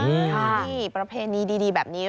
นี่ประเพณีดีแบบนี้